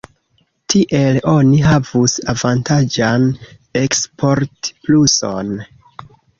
Tiel oni havus avantaĝan eksportpluson.